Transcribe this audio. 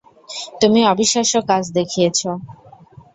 তুমি অবিশ্বাস্য কাজ দেখিয়েছ!